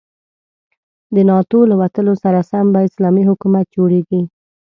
د ناتو له وتلو سره سم به اسلامي حکومت جوړيږي.